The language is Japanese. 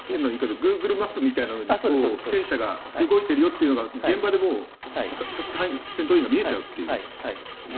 グーグルマップみたいなので戦車が動いているというのが現場で戦闘員が見えちゃうという。